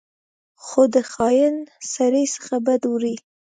خو د خاین سړي څخه بد وړي.